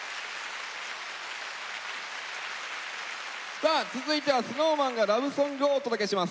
さあ続いてはＳｎｏｗＭａｎがラブソングをお届けします。